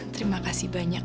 terima kasih banyak